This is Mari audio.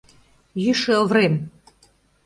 Йӱшӧ Оврем.